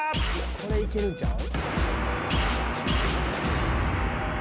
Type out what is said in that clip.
これ行けるんちゃう？